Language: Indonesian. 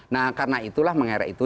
nah karena itulah mengerek itu